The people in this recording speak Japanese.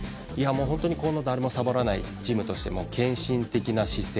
本当に、誰もサボらないチームとしても献身的な姿勢。